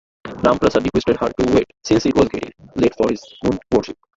Ramprasad requested her to wait, since it was getting late for his noon worship.